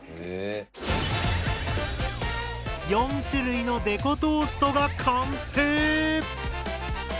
４種類のデコトーストが完成！